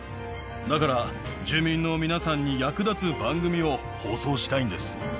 だから、住民の皆さんに役立つ番組を放送したいんです。